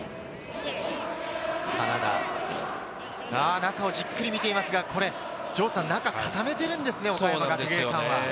中をじっくり見ていますが、中をかためているんですね、岡山学芸館は。